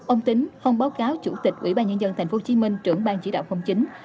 ông tính không báo cáo chủ tịch ubnd tp hcm trưởng bang chỉ đạo không chính